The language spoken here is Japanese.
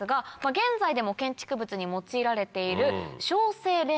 現在でも建築物に用いられている。